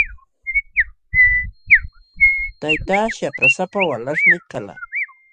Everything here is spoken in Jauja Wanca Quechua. Taytaa shaprasapa walaśhmi kalqa.